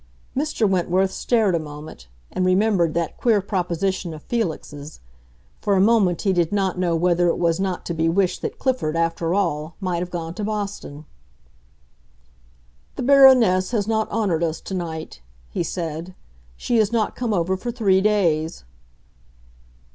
Mr. Wentworth stared a moment, and remembered that queer proposition of Felix's. For a moment he did not know whether it was not to be wished that Clifford, after all, might have gone to Boston. "The Baroness has not honored us tonight," he said. "She has not come over for three days."